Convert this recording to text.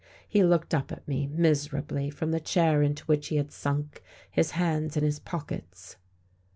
He looked up at me, miserably, from the chair into which he had sunk, his hands in his pockets.